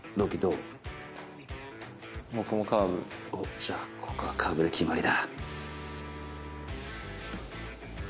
じゃあここはカーブで決まりだ。